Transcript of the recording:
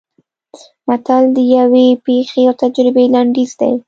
متل د یوې پېښې او تجربې لنډیز دی